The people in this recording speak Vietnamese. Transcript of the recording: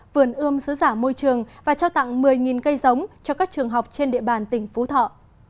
vườn ươm xứ giả môi trường và trao tặng một mươi cây giống cho các trường học trên địa bàn tỉnh phú thọ